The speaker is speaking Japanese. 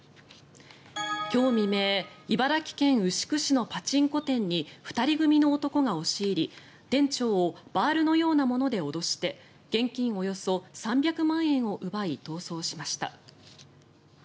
今日未明、茨城県牛久市のパチンコ店に２人組の男が押し入り、店長をバールのようなもので脅して現金およそ３００万円を奪い逃走しました。